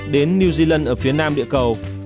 đến new zealand ở phía nam địa cầu